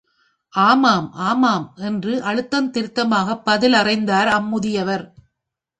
ஆமாம். ஆமாம் என்று அழுத்தம் திருத்தமாகப் பதில் அறைந்தார் அம்முதியவர்.